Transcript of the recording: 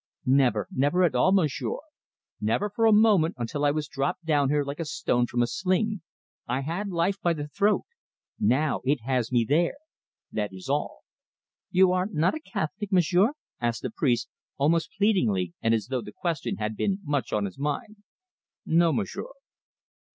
"Never, never at all, Monsieur. Never for a moment, until I was dropped down here like a stone from a sling. I had life by the throat; now it has me there that is all." "You are not a Catholic, Monsieur?" asked the priest, almost pleadingly, and as though the question had been much on his mind. "No, Monsieur."